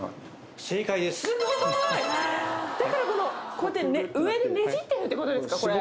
こうやって上でねじってるってことですか。